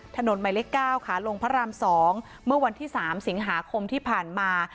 ถนนใหม่เล็กเก้าค่ะลงพระรามสองเมื่อวันที่สามสิงหาคมที่ผ่านมา